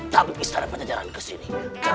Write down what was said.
taman istana penjajaran kesini